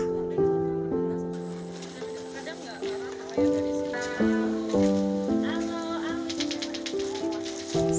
sedikit sembako untuk keluarga mereka